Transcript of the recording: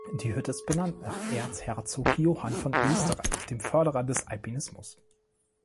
Die Hütte ist benannt nach Erzherzog Johann von Österreich, dem Förderer des Alpinismus.